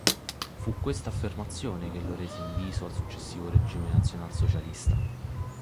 Fu questa affermazione che lo rese inviso al successivo regime nazionalsocialista.